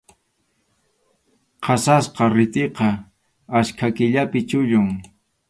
Qasasqa ritʼiqa achka killapi chullun.